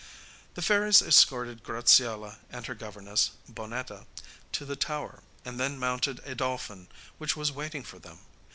The fairies escorted Graziella and her governess, Bonnetta, to the tower, and then mounted a dolphin which was waiting for them.